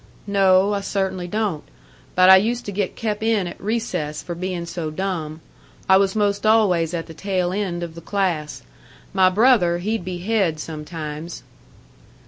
"No. I cert'nly don't. But I used to get kep' in at recess for bein' so dumb. I was most always at the tail end of the class. My brother, he'd be head sometimes."